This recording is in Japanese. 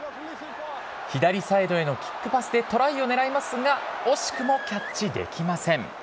左サイドへのキックパスでトライをねらいますが、惜しくもキャッチできません。